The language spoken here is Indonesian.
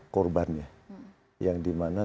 korbannya yang di mana